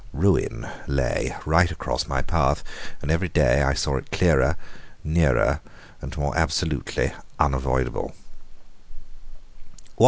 Ruin lay right across my path, and every day I saw it clearer, nearer, and more absolutely unavoidable.